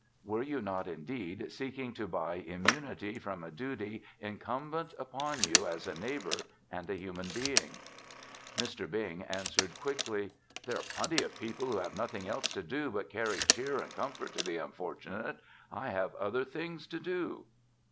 Were you not, indeed, seeking to buy immunity from a duty incumbent upon you as a neighbor and a human being?" Mr. Bing answered quickly, "There are plenty of people who have nothing else to do but carry cheer and comfort to the unfortunate. I have other things to do."